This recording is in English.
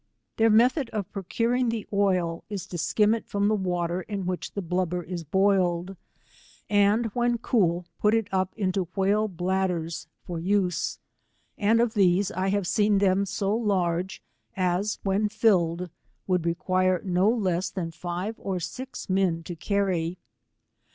Their method of procuring the oil, is to skim it from the water in wnich the blubber is boiled, and 135 ; when cool, put it up into whale bladders for use, ! and of these I have seen them so large as, when ! filled, would require no less (haa five or six men to carry.